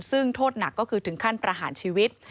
ซึ่งโทษหนักก็คือถึงขั้นประหารชีวิต